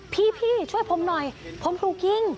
พี่ช่วยผมหน่อยผมถูกยิง